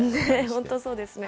本当、そうですね。